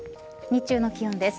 日中の気温です。